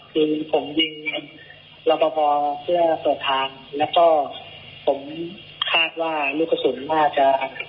คือผมยิงแล้วพอพอเพื่อสดทางแล้วก็ผมคาดว่าลูกสุนว่าจะ